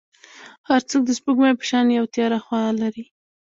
هر څوک د سپوږمۍ په شان یو تیاره خوا لري.